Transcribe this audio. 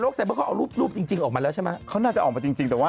เขามีการแชร์